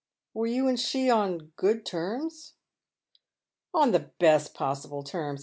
Were you and ehe on good tenns ?" "On the best possible tenns.